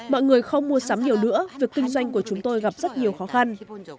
mọi người không mua sắm nhiều nữa việc kinh doanh của chúng tôi gặp rất nhiều khó khăn